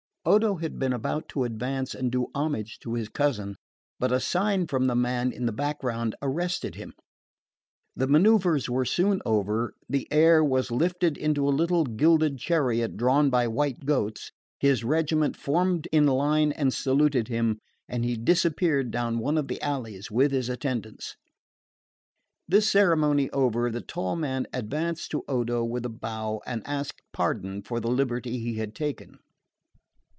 Odo had been about to advance and do homage to his cousin; but a sign from the man in the background arrested him. The manoeuvres were soon over, the heir was lifted into a little gilded chariot drawn by white goats, his regiment formed in line and saluted him, and he disappeared down one of the alleys with his attendants. This ceremony over, the tall man advanced to Odo with a bow and asked pardon for the liberty he had taken.